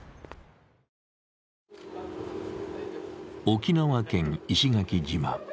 沖縄県石垣島。